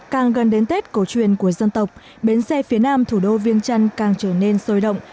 càng gần đến tết cổ truyền của dân tộc bến xe phía nam thủ đô viên trăn càng trở nên sôi động